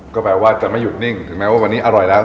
ก็แปลว่าจะไม่หยุดนิ่งถึงแม้ว่าวันนี้อร่อยแล้ว